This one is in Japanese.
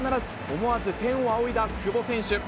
思わず天を仰いだ久保選手。